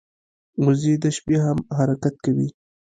وزې د شپې هم حرکت کوي